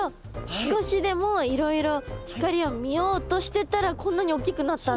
少しでもいろいろ光を見ようとしてったらこんなにおっきくなったんだ！